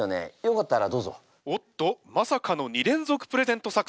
おっとまさかの２連続プレゼント作戦。